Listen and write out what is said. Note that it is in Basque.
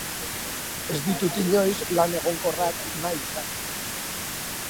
Ez ditut inoiz lan egonkorrak nahi izan.